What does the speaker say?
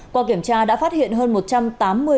qua kiểm tra đã phát hiện hơn một trăm tám mươi